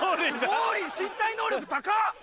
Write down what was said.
ウォーリー身体能力高っ！